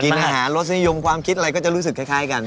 อาหารรสนิยมความคิดอะไรก็จะรู้สึกคล้ายกัน